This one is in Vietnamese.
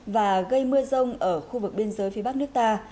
và gây mưa rông ở khu vực biên giới phía bắc nước ta